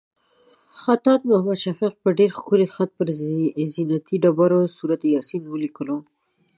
خطاط محمد شفیق په ډېر ښکلي خط پر زینتي ډبرو سورت یاسین ولیکلو.